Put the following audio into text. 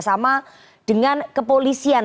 sama dengan kepolisian